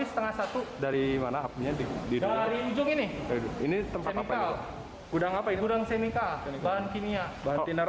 masih kekurangan air